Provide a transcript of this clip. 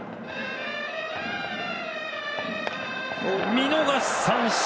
見逃し三振！